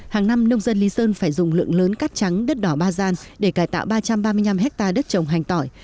hàng năm nông dân lý sơn phải dùng lượng lớn cát trắng đất đỏ ba gian để cải tạo ba trăm ba mươi năm hectare đất trồng hành tỏi